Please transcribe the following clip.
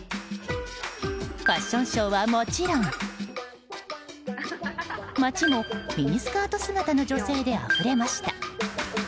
ファッションショーはもちろん街もミニスカート姿の女性であふれました。